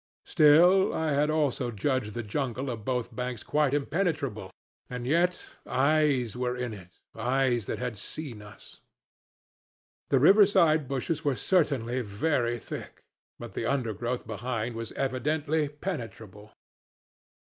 Still, I had also judged the jungle of both banks quite impenetrable and yet eyes were in it, eyes that had seen us. The river side bushes were certainly very thick; but the undergrowth behind was evidently penetrable.